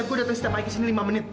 gua gak mau